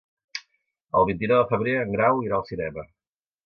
El vint-i-nou de febrer en Grau irà al cinema.